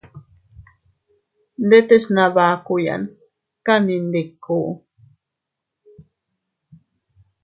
Ndetes nabakuyan kanni ndiku.